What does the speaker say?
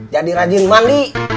jadi rajin mandi